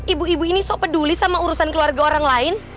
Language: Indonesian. ibu ibu ini so peduli sama urusan keluarga orang lain